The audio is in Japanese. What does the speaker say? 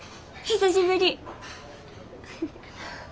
久しぶり。